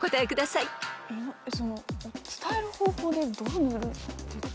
伝える方法で泥を塗るって。